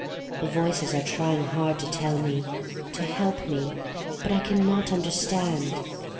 The voices are trying hard to tell me, to help me, but I can not understand.